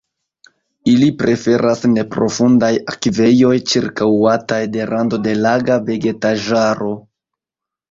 Ili preferas neprofundaj akvejoj ĉirkaŭataj de rando de laga vegetaĵaro.